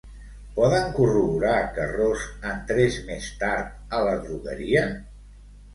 Poden corroborar que Ros entrés més tard a l'adrogueria?